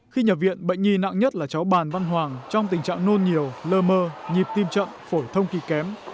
khi nhập viện bệnh nhi nặng nhất là cháu bàn văn hoàng trong tình trạng nôn nhiều lơ mơ nhịp tim chậm phổi thông kỳ kém